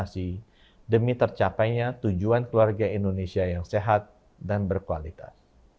demi tercapainya tujuan keluarga indonesia yang sehat dan berkualitas